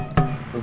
sisi kang ya